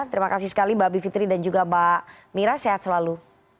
terima kasih sekali mbak bivitri dan juga mbak mira sehat selalu